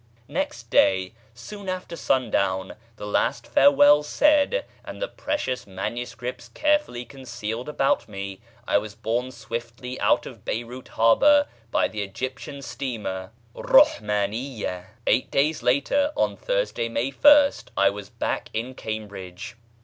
Next day soon after sun down, the last farewells said, and the precious MSS. carefully concealed about me, I was borne swiftly out of Beyrout harbour by the Egyptian steamer Rau>hmániyya. Eight days later, on Thursday, May 1st, I was back in Cambridge.